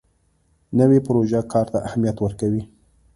نوې پروژه کار ته اهمیت ورکوي